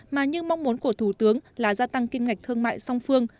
mà như mong muốn của thủ tướng là gia tăng kim ngạch thương mại song phương